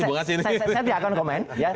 nah saya tidak akan komen ya